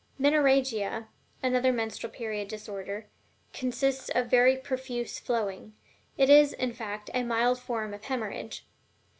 MENORRHAGIA, another menstrual period disorder, consists of very profuse flowing it is, in fact, a mild form of hemorrhage.